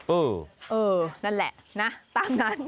เออเออนั่นแหละนะตามนั้น